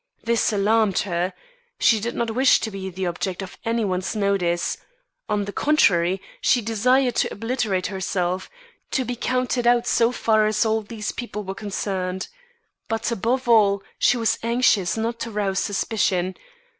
This alarmed her. She did not wish to be the object of any one's notice. On the contrary, she desired to obliterate herself; to be counted out so far as all these people were concerned. But above all, she was anxious not to rouse suspicion.